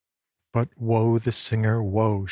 "But woe the singer, woe!"